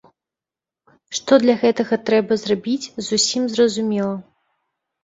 Што для гэтага трэба зрабіць, зусім зразумела.